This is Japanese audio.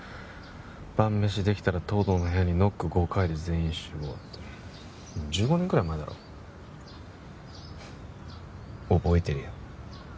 晩飯できたら東堂の部屋にノック５回で全員集合ってもう１５年くらい前だろ覚えてるよ